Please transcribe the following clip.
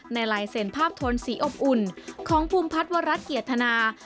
ในลายเสนภาพทนสีอบอุ่นของภูมิพัฒน์วรรดิเกียรตนา